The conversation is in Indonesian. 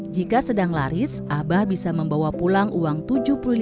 jika sedang laris abah bisa membawa pulang uang tujuh puluh lima rupiah untuk keluarganya